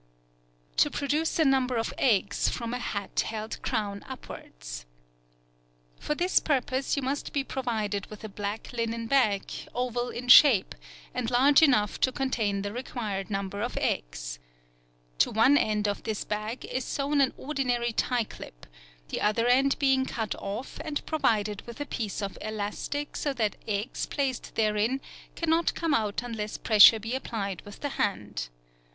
To Produce a number of Eggs from a Hat held Crown upwards.—For this purpose you must be provided with a black linen bag, oval in shape, and large enough to contain the required number of eggs. To one end of this bag is sewn an ordinary tie clip, the other end being cut off and provided with a piece of elastic so that eggs placed therein cannot come out unless pressure be applied with the hand.